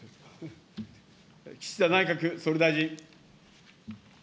岸田内閣総理大臣。